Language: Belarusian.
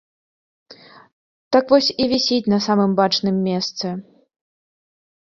Так вось і вісіць на самым бачным месцы.